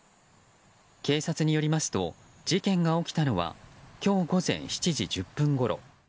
警察によりますと事件が起きたのは今日午前７時１０分ごろ。